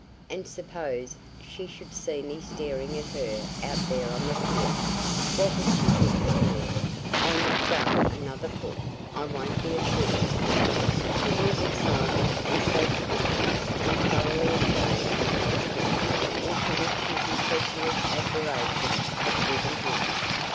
And suppose she should see me staring at her out there on the pier? What would she think of me? I'll not go another foot! I won't be a fool!" He was excited and self conscious and thoroughly ashamed of the trip into which his impetuous adoration had driven him.